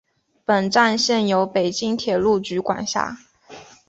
本站现由北京铁路局管辖。